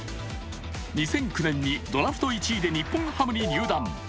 ２００９年にドラフト１位で日本ハムに入団。